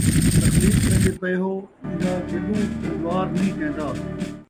تخلیق کریندے پئے ہو: ایندا گݙوں تلوار نئیں چیندا